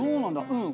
うん。